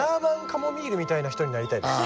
カモミールみたいな人になりたいです！